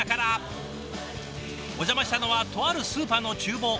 お邪魔したのはとあるスーパーの厨房。